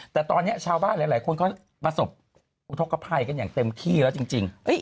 แต่ตอนนี้ชาวบ้านหลายคนก็ประสบอุทธกภัยกันอย่างเต็มที่แล้วจริง